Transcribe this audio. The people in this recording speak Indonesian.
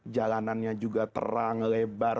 jalanannya juga terang lebar